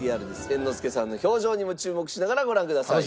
猿之助さんの表情にも注目しながらご覧ください。